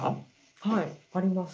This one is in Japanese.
はいあります。